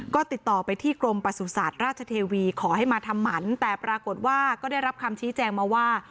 ก็ติดต่อไปที่กรมประสุทธิ์ราชเทวีขอให้มาทำหมันแต่ปรากฏว่าก็ได้รับคำชี้แจงมาว่า